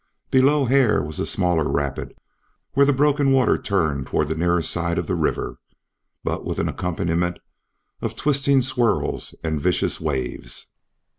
Below Hare was a smaller rapid where the broken water turned toward the nearer side of the river, but with an accompaniment of twisting swirls and vicious waves.